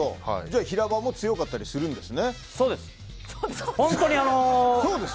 平場も強かったりするんですね。